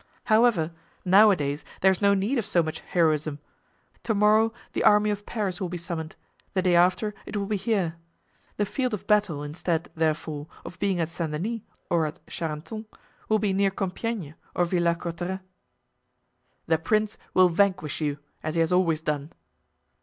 "However, nowadays there's no need of so much heroism. To morrow the army of Paris will be summoned, the day after it will be here! The field of battle, instead, therefore, of being at Saint Denis or at Charenton, will be near Compiegne or Villars Cotterets." "The prince will vanquish you, as he has always done."